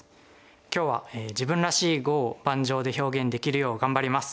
今日は自分らしい碁を盤上で表現できるよう頑張ります。